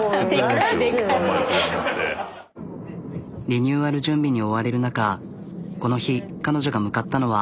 リニューアル準備に追われる中この日彼女が向かったのは。